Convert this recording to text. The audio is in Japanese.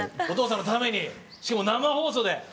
お父さんのためにしかも生放送で。